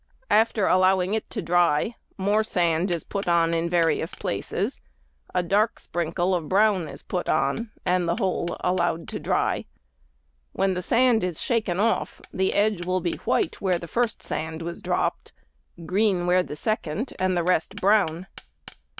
After allowing it to dry, more sand is put on in various places, a dark sprinkle of brown is put on, and the whole allowed to dry. When the sand is shaken off, the edge will be white where the first sand was dropped, green where the second, and the rest brown.